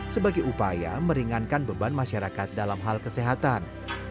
sebagai upaya meringankan beban masyarakat dalam hal kesehatan